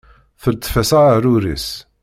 Teltef-as aɛrur-is.